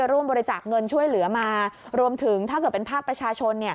ร่วมบริจาคเงินช่วยเหลือมารวมถึงถ้าเกิดเป็นภาคประชาชน